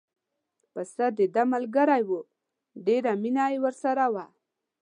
پسه دده ملګری و ډېره مینه یې ورسره وه.